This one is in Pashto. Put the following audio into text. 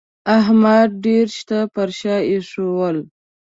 احمد ډېر شته پر شا پرېښول